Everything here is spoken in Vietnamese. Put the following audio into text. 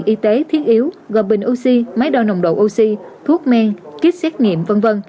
các trạm y tế thiết yếu gồm bình oxy máy đo nồng độ oxy thuốc men kích xét nghiệm v v